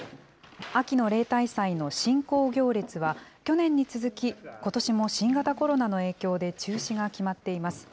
秋の例大祭の神幸行列は、去年に続き、ことしも新型コロナの影響で中止が決まっています。